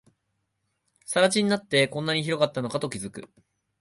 更地になって、こんなに広かったのかと気づく